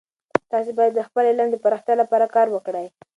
تاسې باید د خپل علم د پراختیا لپاره کار وکړئ.